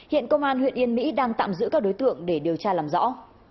hiện công an huyện yên mỹ đang tạm giữ các đối tượng để điều tra làm rõ